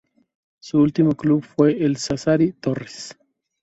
Su último club fue el Sassari Torres.